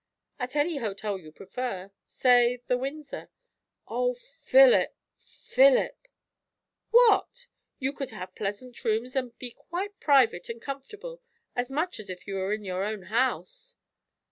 "At any hotel you prefer; say, the Windsor." "O Philip, Philip!" "What? You could have pleasant rooms, and be quite private and comfortable; as much as if you were in your own house."